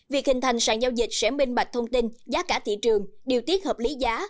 việc hình thành sàn giao dịch sẽ minh bạch thông tin giá cả thị trường điều tiết hợp lý giá